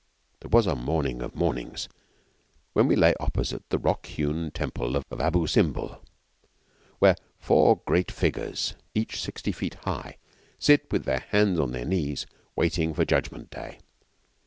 There was a morning of mornings when we lay opposite the rock hewn Temple of Abu Simbel, where four great figures, each sixty feet high, sit with their hands on their knees waiting for Judgment Day.